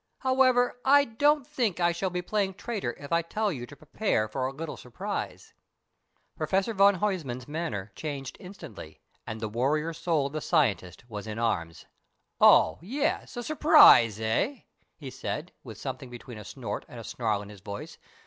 However, I don't think I shall be playing traitor if I tell you to prepare for a little surprise." Professor van Huysman's manner changed instantly, and the warrior soul of the scientist was in arms. "Oh yes! A surprise, eh?" he said, with something between a snort and a snarl in his voice.